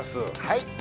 はい。